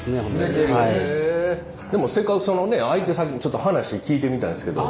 でもせっかくそのね相手先にちょっと話聞いてみたいんですけど。